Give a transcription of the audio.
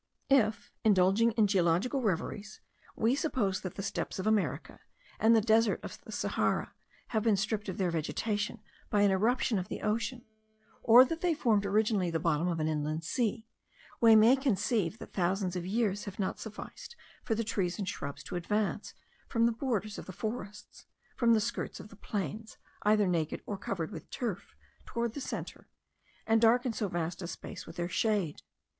If, indulging in geological reveries, we suppose that the steppes of America, and the desert of Sahara, have been stripped of their vegetation by an irruption of the ocean, or that they formed originally the bottom of an inland sea, we may conceive that thousands of years have not sufficed for the trees and shrubs to advance from the borders of the forests, from the skirts of the plains either naked or covered with turf, toward the centre, and darken so vast a space with their shade.